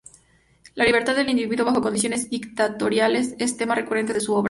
La libertad del individuo bajo condiciones dictatoriales es tema recurrente de su obra.